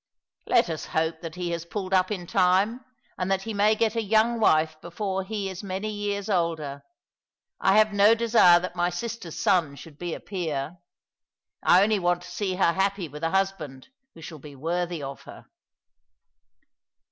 " Let us hope that he has pulled up in time, and that he may get a young wife before he is many years older. I have no desire that my sister's son should be a peer. I only want to see her happy with a husband who shall be worthy of her."